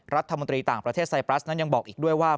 รัฐมนตรีต่างประเทศไซปรัสนั้นยังบอกอีกด้วยว่า